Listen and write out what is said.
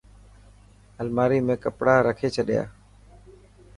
الماڙي ۾ ڪپڙا رکي ڇڏيا.